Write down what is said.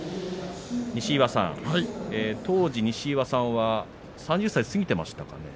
西岩さん、当時西岩さんは３０歳過ぎてましたかね？